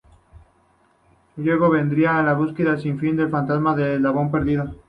Luego vendría la búsqueda sin fin del fantasma del eslabón perdido.